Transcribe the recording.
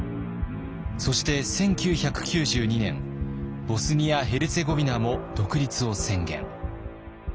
そして１９９２年ボスニア・ヘルツェゴビナも独立を宣言。